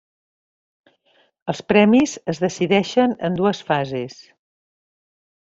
Els premis es decideixen en dues fases.